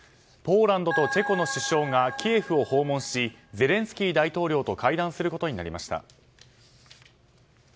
ポーランドとチェコの首相がキエフを訪問しゼレンスキー大統領と会談することになりました。